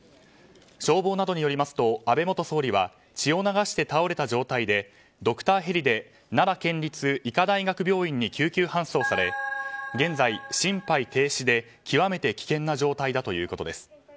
消防などによりますと安倍元総理は血を流して倒れた状態でドクターヘリで奈良県立医科大学病院に救急搬送され現在、心肺停止で極めて危険な状態だということです。